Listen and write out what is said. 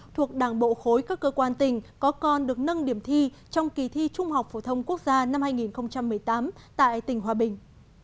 thuộc đảng bộ khối các cơ quan tỉnh có con được nâng điểm thi trong kỳ thi trung học phổ thông quốc gia năm hai nghìn một mươi tám tại tỉnh hòa bình